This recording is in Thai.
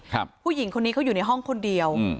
ผู้หญิงคนนี้เขาอยู่ในห้องคนเดียวอืม